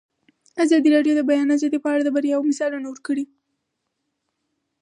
ازادي راډیو د د بیان آزادي په اړه د بریاوو مثالونه ورکړي.